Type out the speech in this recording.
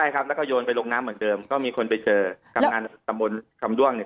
ใช่ครับแล้วก็โยนไปลงน้ำเหมือนเดิมก็มีคนไปเจอทำงานตำบลคำด้วงเนี่ย